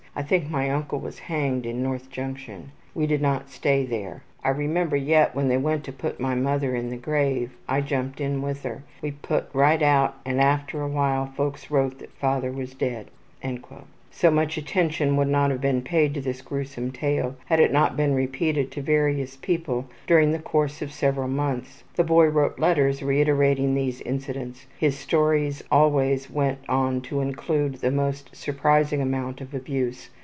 I think my uncle was hanged at N. Junction. We did not stay there. I remember yet when they went to put my mother in the grave. I jumped in with her. We put right out and after awhile folks wrote that father was dead.'' So much attention would not have been paid to this gruesome tale had it not been repeated to various people during the course of several months. The boy wrote letters reiterating these incidents. His stories always went on to include the most surprising amount of abuse.